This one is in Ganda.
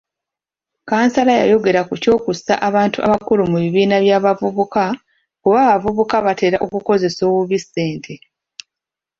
Kansala yayogera ku ky'okussa abantu abakulu mu bibiina by'abavubuka kuba abavubuka batera okukozesa obubi ssente.